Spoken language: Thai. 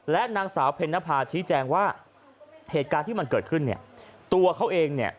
และนางสาวเพ็ญนภาชี้แจงว่าเหตุการณ์ที่มันเกิดขึ้นเนี่ยตัวเขาเองเนี่ย